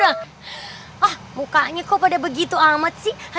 ah wah mukanya kok pada begitu amat sih